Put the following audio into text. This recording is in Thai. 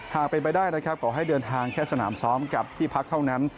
หากเป็นไปได้นะครับขอให้เดินทางแค่สนามซ้อมกับที่พักเท่านั้น